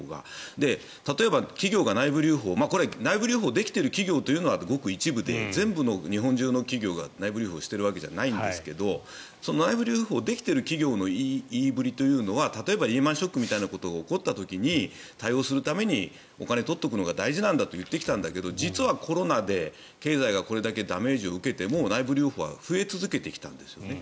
例えば企業が内部留保を内部留保ができている企業というのはごく一部で全部の日本中の企業が内部留保しているわけじゃないんですが内部留保できている企業の言いぶりというのは例えばリーマン・ショックみたいなことが起こった時に対応するためにお金を取っておくのが大事なんだと言ってきたんだけど実はコロナで経済がこれだけダメージを受けても内部留保は増え続けてきたんですね。